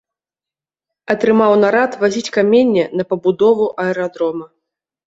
Атрымаў нарад вазіць каменне на пабудову аэрадрома.